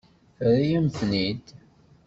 Terra-yam-ten-id.